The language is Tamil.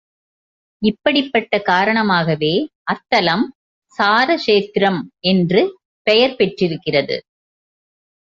இப்படிப் பட்ட காரணமாகவே அத்தலம் சாரக்ஷேத்திரம் என்று பெயர் பெற்றிருக்கிறது.